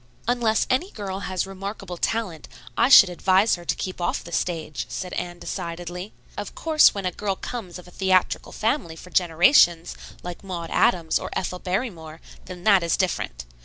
"Unless any girl has remarkable talent, I should advise her to keep off the stage," said Anne decidedly. "Of course when a girl comes of a theatrical family for generations, like Maud Adams or Ethel Barrymore, then that is different.